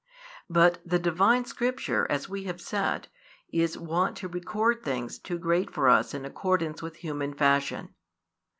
But the Divine Scripture, as we have said, is wont to record things too great for us in accordance with human fashion.